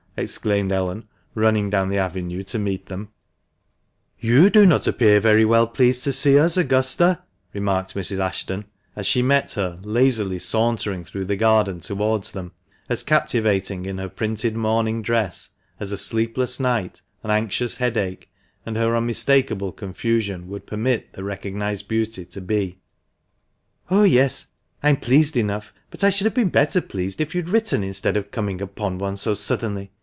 exclaimed Ellen, running down the avenue to meet them. TKB MANCHESTER MAN. 355 " You do not appear very well pleased to see us, Augusta," remarked Mrs. Ashton, as she met her lazily sauntering through the garden towards them, as captivating in her printed morning dress as a sleepless night, an anxions headache, and her unmis takable confusion would permit the recognised beauty to be. " Oh, yes, I am pleased enough, but I should have been better pleased if you had written instead of coming upon one so suddenly.